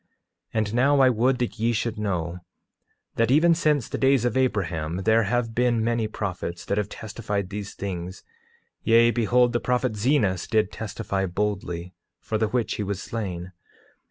8:19 And now I would that ye should know, that even since the days of Abraham there have been many prophets that have testified these things; yea, behold, the prophet Zenos did testify boldly; for the which he was slain.